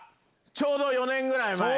ちょうど４年ぐらい前。